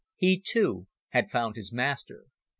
He, too, had found his master.